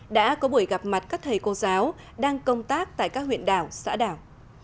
đã có buổi gặp mặt các thầy cô giáo đang công tác tại các huyện đảo xã đảo